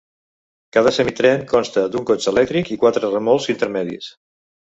Cada semitren consta d'un cotxe elèctric i quatre remolcs intermedis.